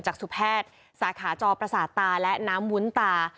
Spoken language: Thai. จากสุแพทย์สาขาจอประสาทตาและน้ำวุ้นตา